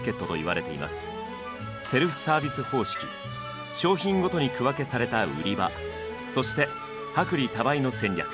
セルフサービス方式商品ごとに区分けされた売り場そして薄利多売の戦略。